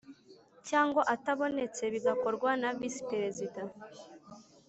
Cyangwa atabonetse bigakorwa na visi perezida